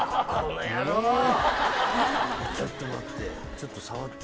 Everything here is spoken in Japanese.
ちょっと待って。